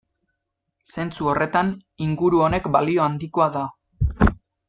Zentzu horretan inguru honek balio handikoa da.